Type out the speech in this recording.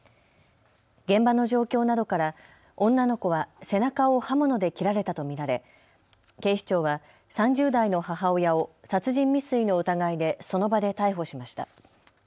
現場の状況などから女の子は背中を刃物で切られたと見られ警視庁は３０代の母親を殺人未遂の疑いでその場で逮捕しました。